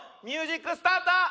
ミュージックスタート！